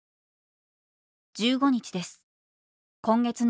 「１５日です。